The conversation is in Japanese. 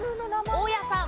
大家さん。